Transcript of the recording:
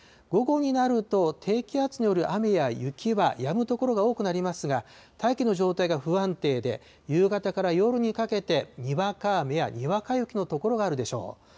午後になると、低気圧による雨や雪はやむ所が多くなりますが、大気の状態が不安定で、夕方から夜にかけてにわか雨やにわか雪の所があるでしょう。